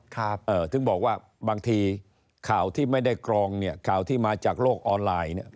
ถึงบอกว่าบางทีข่าวที่ไม่ได้กรองเนี่ยข่าวที่มาจากโลกออนไลน์เนี่ย